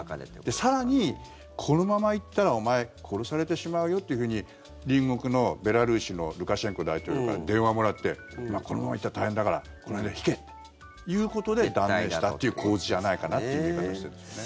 更に、このままいったらお前、殺されてしまうよというふうに隣国のベラルーシのルカシェンコ大統領から電話もらってお前このままいったら大変だからこの辺で引けっていうことで断念したっていう構図じゃないかなという見方をしているんですよね。